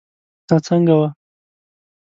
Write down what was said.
دا څنګه وه